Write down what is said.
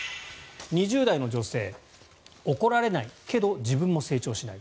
２０代女性、怒られないけど自分も成長しない。